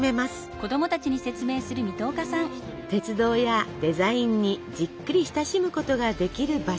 鉄道やデザインにじっくり親しむことができる場所です。